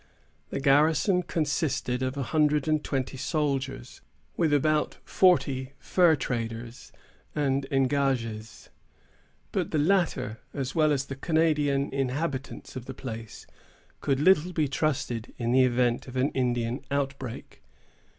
The garrison consisted of a hundred and twenty soldiers, with about forty fur traders and engagés; but the latter, as well as the Canadian inhabitants of the place, could little be trusted, in the event of an Indian outbreak.